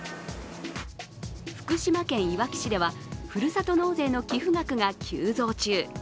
福島県いわき市では、ふるさと納税の寄付額が急増中。